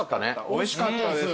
おいしかったです。